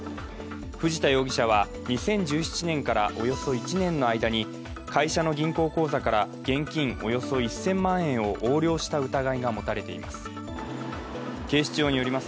藤田容疑者は２０１７年からおよそ１年の間に会社の銀行口座から現金およそ１０００万円を横領した疑いが持たれています。